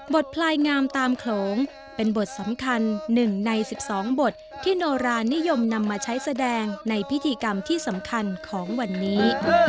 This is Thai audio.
พลายงามตามโขลงเป็นบทสำคัญ๑ใน๑๒บทที่โนรานิยมนำมาใช้แสดงในพิธีกรรมที่สำคัญของวันนี้